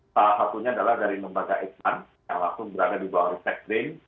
salah satunya adalah dari lembaga eksman yang langsung berada di bawah riset krim